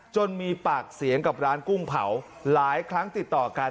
จนมีปากเสียงกับร้านกุ้งเผาหลายครั้งติดต่อกัน